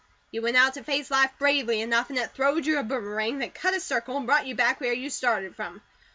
You went out to face life bravely enough and it throwed you a boomerang that cut a circle and brought you back where you started from.